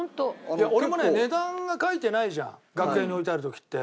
俺もね値段が書いてないじゃん楽屋に置いてある時って。